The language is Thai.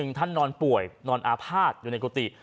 รูปท่านนอนป่วยนอนอาพาตอยู่ในกุฏิ